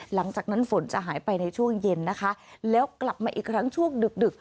หลังจากนั้นฝนจะหายไปในช่วงเย็นนะคะแล้วกลับมาอีกครั้งช่วงดึกดึก